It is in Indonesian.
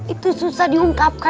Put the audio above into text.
itu susah digunngkap perché